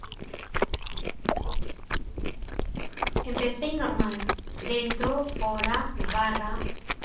Empecei normal, dentro, fóra, na barra...